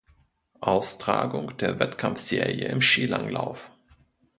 Austragung der Wettkampfserie im Skilanglauf.